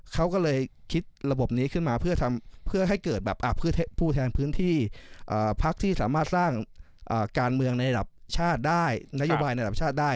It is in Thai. การเมืองในระดับชาติได้นโยบายในระดับชาติได้